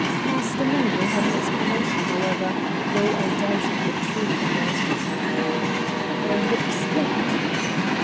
Master Mungo had an explanation, however, though I doubted the truth of it." "And what was that?"